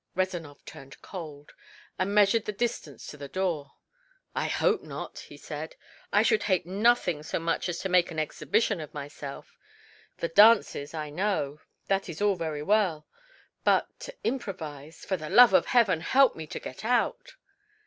Rezanov turned cold, and measured the distance to the door. "I hope not!" he said. "I should hate nothing so much as to make an exhibition of myself. The dances I know that is all very well but to improvise for the love of heaven help me to get out!"